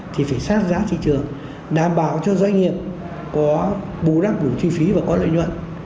thì phải sát giá thị trường đảm bảo cho doanh nghiệp có bù đắp đủ chi phí và có lợi nhuận